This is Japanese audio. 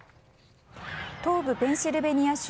東部ペンシルベニア州